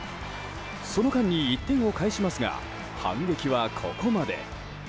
その間に１点を返しますが反撃はここまで。